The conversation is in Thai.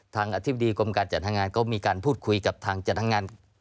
อธิบดีกรมการจัดหางานก็มีการพูดคุยกับทางจัดงาน